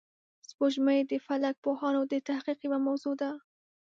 سپوږمۍ د فلک پوهانو د تحقیق یوه موضوع ده